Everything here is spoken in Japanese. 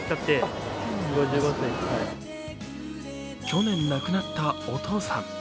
去年亡くなったお父さん。